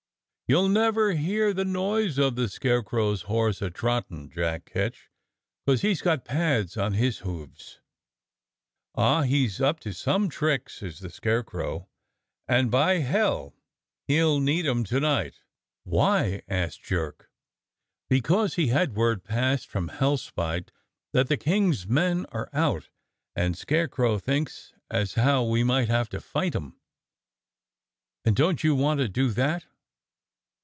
"You'll never hear the noise of the Scarecrow's horse a trottin', Jack Ketch, 'cos he's got pads on his hoofs. Ah! he's up to some tricks, is the Scarecrow, and, by hell! he'll need 'em to night." "Why?" asked Jerk. "Because he's had word passed from Hellspite that the King's men are out, and Scarecrow thinks as how we may have to fight 'em." "And don't you want to do that?"